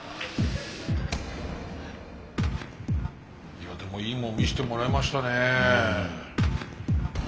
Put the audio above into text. いやでもいいもん見してもらいましたね。